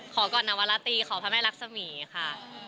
ขอก่อนนวราตรีขอพระแม่รักษมีค่ะ